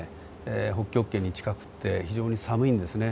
北極圏に近くて非常に寒いんですね。